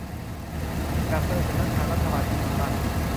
จัดโดยสำนักงานรัฐบาลดิจิทัล